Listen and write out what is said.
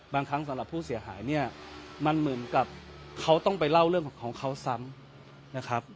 บางครั้งสำหรับผู้เสียหายมันเหมือนกับเขาต้องไปเล่าเรื่องของเขาซ้ำ